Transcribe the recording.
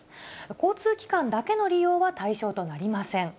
交通機関だけの利用は対象となりません。